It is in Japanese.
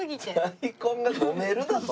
大根が飲めるだと？